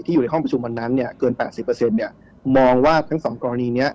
ที่อยู่ในห้องประชุมวันนั้นเกิน๘๐มองว่าทั้ง๒กรณีนี้